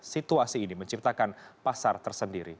situasi ini menciptakan pasar tersendiri